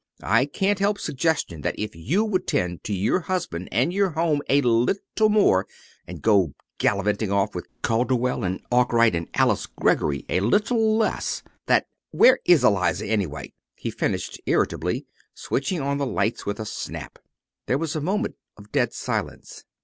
I can't help suggesting that if you would tend to your husband and your home a little more, and go gallivanting off with Calderwell and Arkwright and Alice Greggory a little less, that Where is Eliza, anyway?" he finished irritably, switching on the lights with a snap. There was a moment of dead silence.